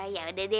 ya udah deh